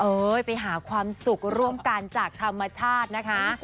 เอ้ยไปหาความสุขร่วมกันจากธรรมชาตินะคะ